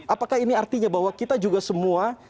apakah ini artinya bahwa kita juga semua